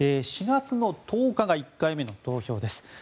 ４月の１０日が１回目の投票です。